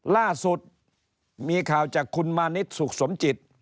ล่าสุดมีข่าวจากคุณมานิดสุขสมจิต